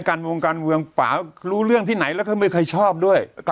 วงการเมืองป่ารู้เรื่องที่ไหนแล้วก็ไม่เคยชอบด้วย